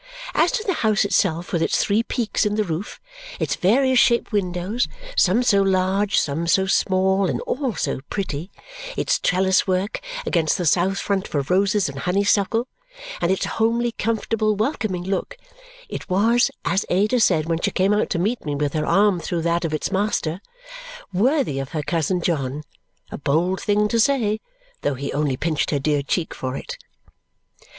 As to the house itself, with its three peaks in the roof; its various shaped windows, some so large, some so small, and all so pretty; its trellis work, against the south front for roses and honey suckle, and its homely, comfortable, welcoming look it was, as Ada said when she came out to meet me with her arm through that of its master, worthy of her cousin John, a bold thing to say, though he only pinched her dear cheek for it.